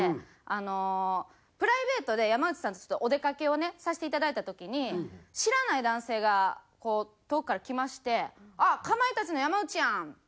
あのプライベートで山内さんとちょっとお出かけをねさせていただいた時に知らない男性が遠くから来まして「あっかまいたちの山内やん！」